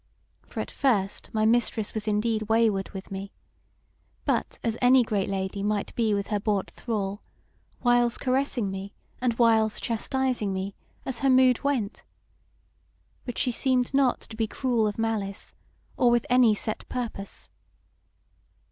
For at first my Mistress was indeed wayward with me, but as any great lady might be with her bought thrall, whiles caressing me, and whiles chastising me, as her mood went; but she seemed not to be cruel of malice, or with any set purpose.